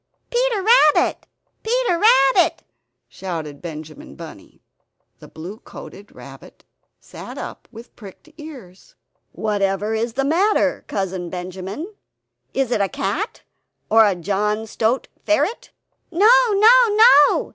Peter Rabbit, Peter Rabbit!" shouted Benjamin Bunny. The blue coated rabbit sat up with pricked ears "Whatever is the matter, Cousin Benjamin? Is it a cat? or John Stoat Ferret?" "No, no, no!